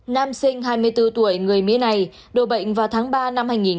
nam sinh hai mươi bốn tuổi người mỹ này đổ bệnh vào tháng ba năm hai nghìn hai mươi một